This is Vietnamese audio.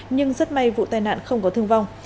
nhưng rất may vụ tai nạn không có thương vong